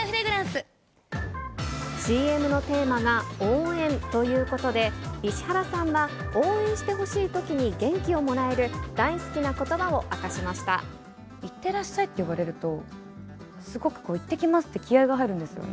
ＣＭのテーマが応援ということで、石原さんは応援してほしいときに元気をもらえる大好きなこいってらっしゃいと呼ばれると、すごくいってきますって気合いが入るんですよね。